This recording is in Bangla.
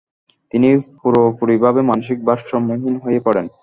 তিনি পুরোপুরিভাবে মানসিক ভারসাম্যহীন হয়ে পড়েন।